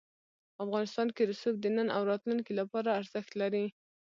افغانستان کې رسوب د نن او راتلونکي لپاره ارزښت لري.